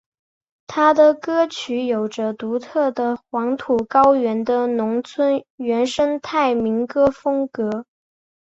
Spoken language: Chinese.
他的歌曲有着独特的黄土高原的农村原生态民歌风格。